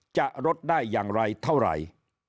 จะลดได้อย่างไรเท่าไหร่